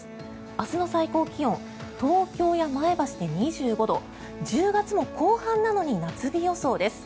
明日の最高気温東京や前橋で２５度１０月も後半なのに夏日予想です。